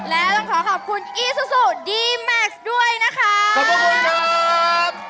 และต้องขอขอบคุณอีซูซูดีแม็กซ์ด้วยนะคะขอบคุณครับ